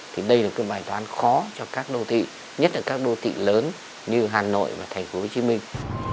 thì đây là cái bài toán khó cho các đô thị nhất là các đô thị lớn như hà nội và thành phố hồ chí minh